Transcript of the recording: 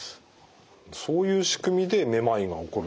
そういう仕組みでめまいが起こるんですね。